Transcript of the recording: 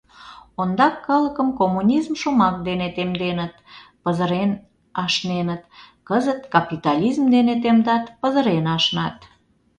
Ондак калыкым коммунизм шомак дене темденыт, пызырен ашненыт, кызыт капитализм дене темдат, пызырен ашнат.